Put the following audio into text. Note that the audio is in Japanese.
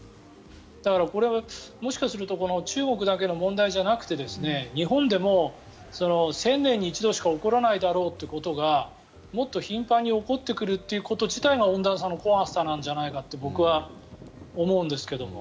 だから、これはもしかすると中国だけの問題じゃなくて日本でも１０００年に一度しか起こらないだろうということがもっと頻繁に起こってくるということ自体が温暖化の怖さじゃないかって僕は思うんですけども。